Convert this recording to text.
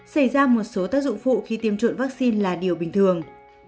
xảy ra một số tác dụng phụ khi tiêm chủng vaccine là điều bình thường